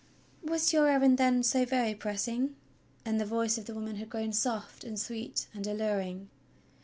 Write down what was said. "AYas your errand, then, so very pressing.?" and the voice of the woman had grown soft and sweet and alluring.